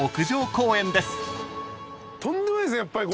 とんでもないですねやっぱり。